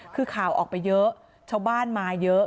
คือข่าวออกไปเยอะชาวบ้านมาเยอะ